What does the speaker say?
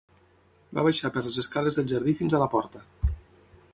Va baixar per les escales del jardí fins a la porta.